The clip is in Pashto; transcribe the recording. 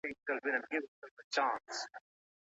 ولي هڅاند سړی د با استعداده کس په پرتله برخلیک بدلوي؟